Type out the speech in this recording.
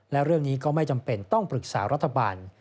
และเรื่องนี้ก็ไม่จำเป็นต้องปรึกษารัฐบาล